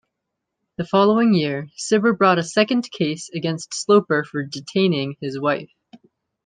The following year, Cibber brought a second case against Sloper for "detaining" his wife.